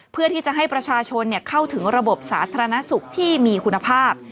เพื่อที่จะให้ประชาชนเข้าถึงระบบสาธารณสุขที่มีคุณภาพ